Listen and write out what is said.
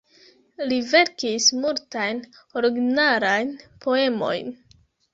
Li verkis multajn originalajn poemojn.